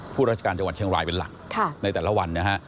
ราชการจังหวัดเชียงรายเป็นหลักในแต่ละวันนะฮะ